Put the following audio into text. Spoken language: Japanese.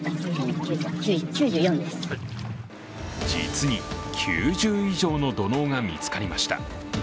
実に９０以上の土のうが見つかりました。